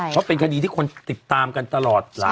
เพราะเป็นคดีที่คนติดตามกันตลอด